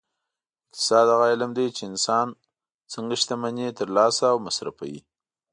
اقتصاد هغه علم دی چې انسان څنګه شتمني ترلاسه او مصرفوي